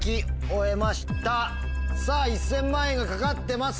さぁ１０００万円が懸かってます。